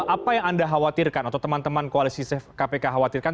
apa yang anda khawatirkan atau teman teman koalisi kpk khawatirkan